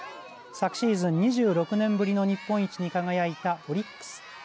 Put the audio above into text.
昨シーズン２６年ぶりの日本一に輝いたオリックス。